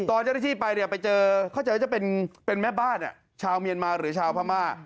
ตอนจะได้ที่ไปเขาจะเป็นแม่บ้านชาวเมียนมาหรือชาวพม่า